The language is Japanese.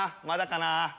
まだかな？